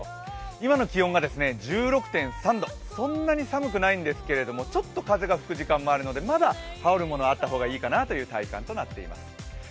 今の気温が１６．３度、そんなに寒くないんですけど、ちょっと風が吹く時間もあるのでまだ羽織るものがあった方がいいかなという体感となっています。